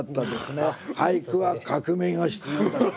「俳句は革命が必要だ」って。